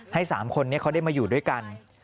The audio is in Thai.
๓คนนี้เขาได้มาอยู่ด้วยกัน